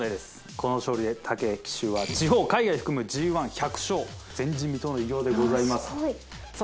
この勝利で武騎手は地方海外含むＧⅠ１００勝前人未到の偉業でございますさあ